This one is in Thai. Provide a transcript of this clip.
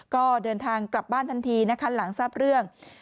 ก็เดินทางกลับบ้านทันทีนะคะหลังทราบเรื่อง